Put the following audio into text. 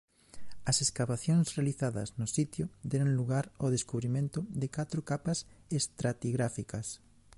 As escavacións realizadas no sitio deron lugar ao descubrimento de catro capas estratigráficas.